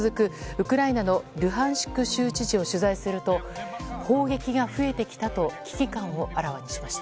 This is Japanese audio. ウクライナのルハンシク州知事を取材すると、砲撃が増えてきたと危機感をあらわにしました。